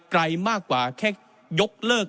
ไกลมากกว่าแค่ยกเลิก